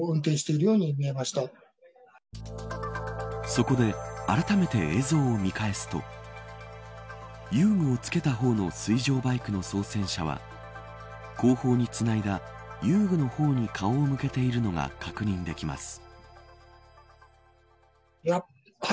そこであらためて映像を見返すと遊具をつけた方の水上バイクの操船者は後方につないだ遊具の方に顔を向けているのが確認できます。